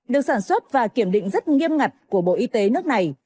được sản xuất và kiểm định rất nghiêm ngặt của bộ y tế nước này